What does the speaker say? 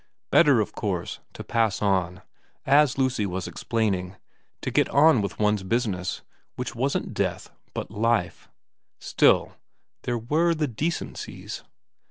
Better, of course, to pass on, as Lucy was explaining, to get on with one's business, which wasn't death but life. Still there were the decencies.